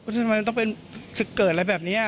ทำไมมันต้องเป็นจะเกิดอะไรแบบนี้